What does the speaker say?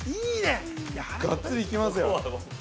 ◆がっつり行きますよ。